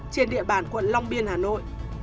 trên địa bàn quận long biên hà nội